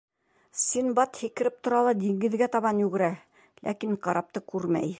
Синдбад һикереп тора ла диңгеҙгә табан йүгерә, ләкин карапты күрмәй.